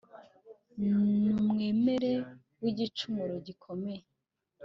n'umwere w'igicumuro gikomeye